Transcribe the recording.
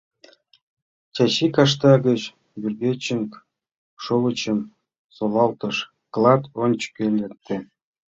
Чачи кашта гыч вӱргенчык шовычшым солалтыш, клат ончыко лекте.